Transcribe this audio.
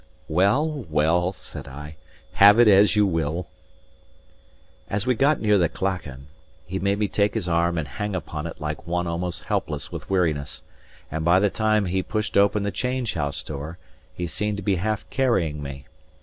"Well, well," said I, "have it as you will." As we got near the clachan, he made me take his arm and hang upon it like one almost helpless with weariness; and by the time he pushed open the change house door, he seemed to be half carrying me.